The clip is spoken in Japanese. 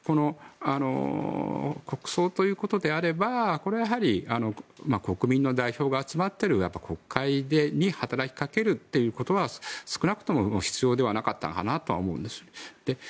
国葬ということであれば国民の代表が集まっている国会に働きかけるということは少なくとも必要ではなかったかなと思うんです。